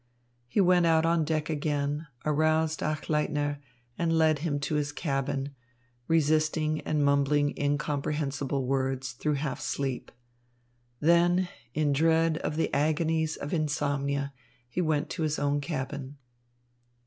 He went out on deck again, aroused Achleitner, and led him to his cabin, resisting and mumbling incomprehensible words, though half asleep. Then, in dread of the agonies of insomnia, he went to his own cabin.